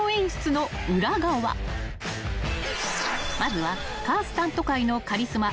［まずはカースタント界のカリスマ］